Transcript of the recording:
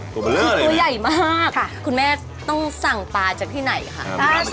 ตัวเบลอเลยนะค่ะคือตัวใหญ่มากคุณแม่ต้องสั่งปลาจากที่ไหนค่ะคุณแม่ต้องสั่งปลาจากที่ไหนค่ะ